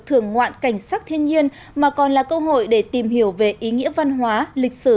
thưởng ngoạn cảnh sắc thiên nhiên mà còn là cơ hội để tìm hiểu về ý nghĩa văn hóa lịch sử